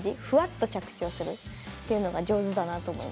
ふわっと着地をするというのが上手だなと。